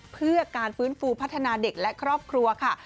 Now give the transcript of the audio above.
เพื่อการฟื้นฟูพัฒนาเด็กและครอบครัวค่ะ